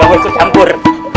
gak boleh susah campur